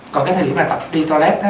còn cái thời điểm là tập đi toilet á